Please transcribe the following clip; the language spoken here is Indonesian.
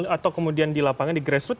atau kemudian di lapangan di grassroot